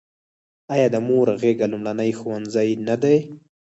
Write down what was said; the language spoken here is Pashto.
آیا د مور غیږه لومړنی ښوونځی نه دی؟